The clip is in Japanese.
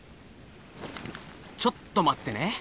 ちょっと待ってね。